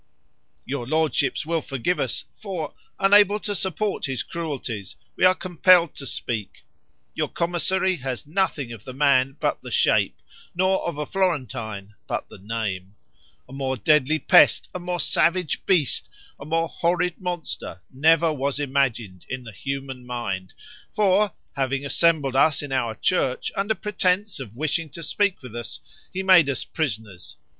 Your lordships will forgive us; for, unable to support his cruelties, we are compelled to speak. Your commissary has nothing of the man but the shape, nor of a Florentine but the name; a more deadly pest, a more savage beast, a more horrid monster never was imagined in the human mind; for, having assembled us in our church under pretense of wishing to speak with us, he made us prisoners.